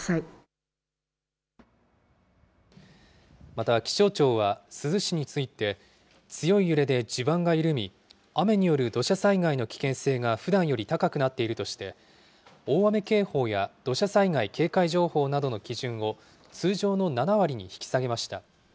また、気象庁は珠洲市について、強い揺れで地盤が緩み、雨による土砂災害の危険性がふだんより高くなっているとして、大雨警報や土砂災害警戒情報などの基準を通常の７割に引き下げました。